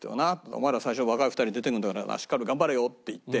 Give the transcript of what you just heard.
「お前ら最初若い２人出て行くんだからしっかり頑張れよ」って言って。